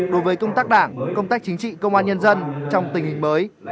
đối với công tác đảng công tác chính trị công an nhân dân trong tình hình mới